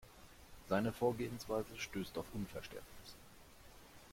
Seine Vorgehensweise stößt auf Unverständnis.